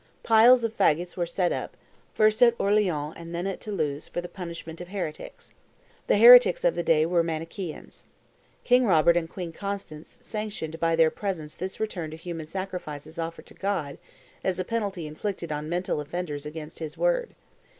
Piles of fagots were set up, first at Orleans and then at Toulouse, for the punishment of heretics. The heretics of the day were Manicheans. King Robert and Queen Constance sanctioned by their presence this return to human sacrifices offered to God as a penalty inflicted on mental offenders against His word.